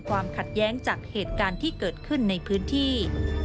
ความขัดแย้งจากเหตุการณ์ที่เกิดขึ้นในพื้นที่